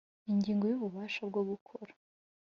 ingingo ya ububasha bwo gukora